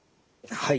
はい。